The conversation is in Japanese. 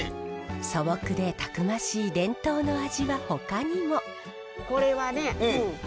素朴でたくましい伝統の味はほかにも。